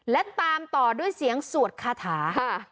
และตามต่อด้วยเสียงสวดคาถา